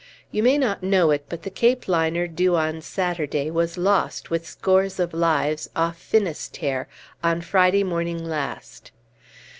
You may not know it, but the Cape liner due on Saturday was lost with scores of lives, off Finisterre, on Friday morning last."